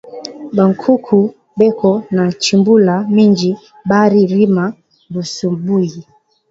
Ba nkuku beko na chimbula minji bari rima busubuyi